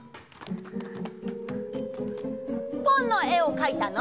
ポンのえをかいたの？